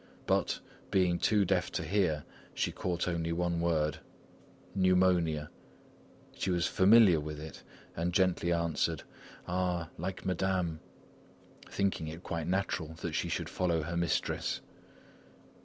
But, being too deaf to hear, she caught only one word: "Pneumonia." She was familiar with it and gently answered: "Ah! like Madame," thinking it quite natural that she should follow her mistress.